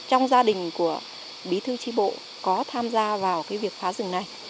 trong gia đình của bí thư trí bộ có tham gia vào cái việc phá rừng này